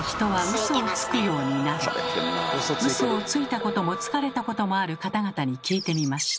ウソをついたこともつかれたこともある方々に聞いてみました。